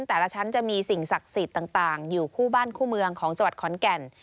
แต่ละชั้นจะมีสิ่งศักดิ์สิทธิ์ต่างอยู่คู่บ้านคู่เมืองของจังหวัดขอนแก่น